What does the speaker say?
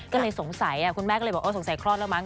ก็เลยสงสัยคุณแม่ก็เลยบอกสงสัยคลอดแล้วมั้